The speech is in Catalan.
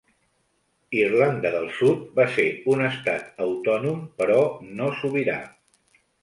Irlanda del Sud va ser un estat autònom però no sobirà.